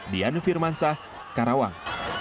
dian firman sah karawang